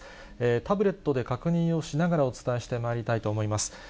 タブレットで確認をしながらお伝えしてまいりたいと思います。